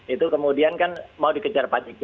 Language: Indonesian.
itu kemudian kan mau dikejar pajak